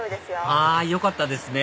あよかったですね